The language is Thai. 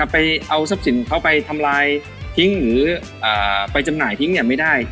ไปเอาทรัพย์สินเขาไปทำลายทิ้งหรือไปจำหน่ายทิ้งไม่ได้